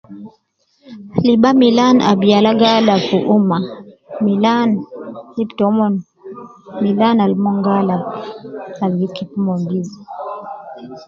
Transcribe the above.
Libaa Milan Al yala ga alab fi ummah. Milaan lib toumon Milan ab mon gaalab